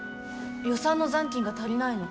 予算の残金が足りないの。